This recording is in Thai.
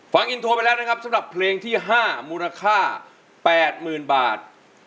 ฟังอินโทรไปแล้วนะครับสำหรับเพลงที่๕มูลค่า๘๐๐๐บาท